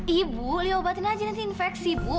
ibu liat obatin aja nanti infeksi bu